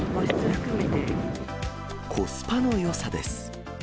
コスパのよさです。